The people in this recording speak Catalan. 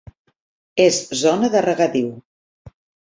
És zona de regadiu.